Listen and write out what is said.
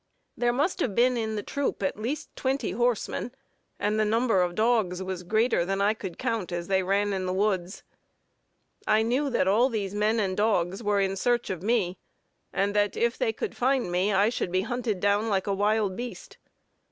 There must have been in the troop at least twenty horsemen, and the number of dogs was greater than I could count as they ran in the woods. I knew that all these men and dogs were in search of me, and that if they could find me I should be hunted down like a wild beast.